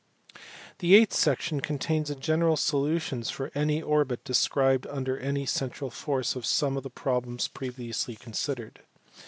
The eighth section contains general solutions for any orbit described under any central force of some of the problems previously considered.